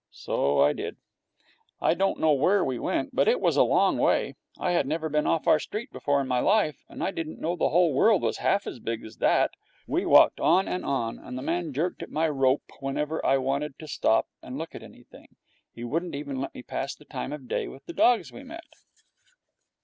So I did. I don't know where we went, but it was a long way. I had never been off our street before in my life and I didn't know the whole world was half as big as that. We walked on and on, and the man jerked at my rope whenever I wanted to stop and look at anything. He wouldn't even let me pass the time of the day with dogs we met.